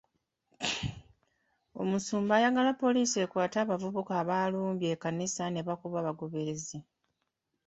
Omusumba ayagala poliisi ekwate abavubuka abaalumbye ekkanisa ne bakuba abagoberezi.